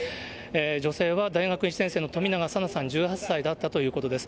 女性は大学１年生のとみながさなさん１８歳だったということです。